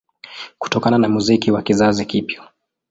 Kutokana na muziki wa kizazi kipya